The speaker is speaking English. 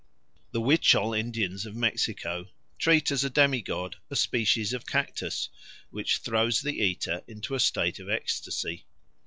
The Huichol Indians of Mexico treat as a demi god a species of cactus which throws the eater into a state of ecstasy.